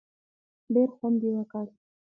ډېر خوند یې وکړ.